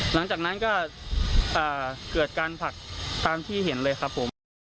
หลังจากนั้นก็เกิดการผลักตามที่เห็นเลยครับผม